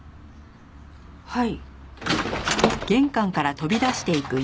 はい。